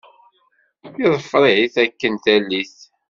Yeḍfer-it akken tallit.